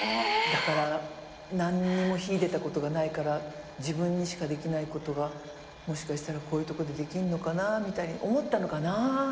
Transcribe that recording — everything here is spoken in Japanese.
だから何にも秀でたことがないから自分にしかできないことがもしかしたらこういうとこでできんのかなみたいに思ったのかな。